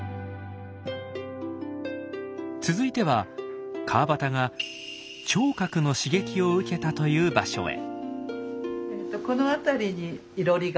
続いては川端が聴覚の刺激を受けたという場所へ。